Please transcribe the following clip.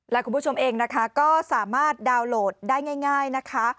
และคุณผู้ชมเองนะคะก็สามารถดาวน์โหลดได้ง่ายนะคะ